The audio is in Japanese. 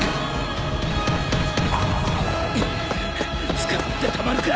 捕まってたまるか！